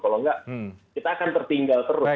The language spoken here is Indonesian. kalau enggak kita akan tertinggal terus